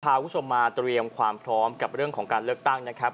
คุณผู้ชมมาเตรียมความพร้อมกับเรื่องของการเลือกตั้งนะครับ